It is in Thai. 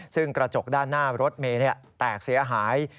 ซึ่งกระจกด้านหน้ารถเมย์แตกเสียหาย